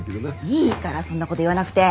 いいからそんなこと言わなくて！